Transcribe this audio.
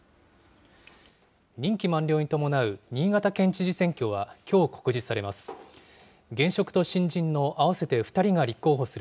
任期満了に伴う新潟県知事選挙は、きょう告示されます。